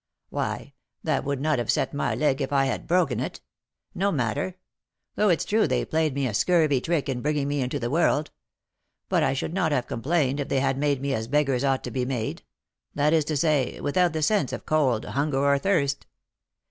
"Why, that would not have set my leg if I had broken it! No matter; though it's true they played me a scurvy trick in bringing me into the world. But I should not have complained if they had made me as beggars ought to be made; that is to say, without the sense of cold, hunger, or thirst.